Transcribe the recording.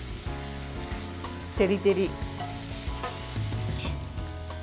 照り照り。